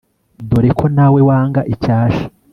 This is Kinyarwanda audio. dore ko nawe wanga icyasha